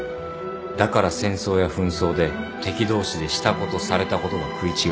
だから戦争や紛争で敵同士でしたことされたことが食い違う。